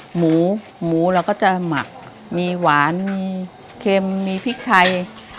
หมูหมูเราก็จะหมักมีหวานมีเค็มมีพริกไทย